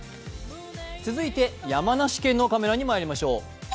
続いて山梨県のカメラにまいりましょう。